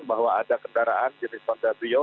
bahwa ada kendaraan jenis pantai trio